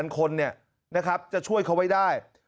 ๓๐๐๐๔๐๐๐คนจะช่วยเขาไว้ได้